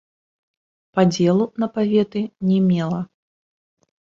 Падзелу на паветы не мела.